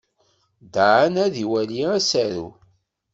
Dan ad iwali asaru.